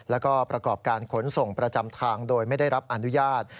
แล้วก็ประกอบการขนส่งประจำทางโดยไม่ได้รับอนุญาต